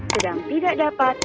sedang tidak dapat dihubungi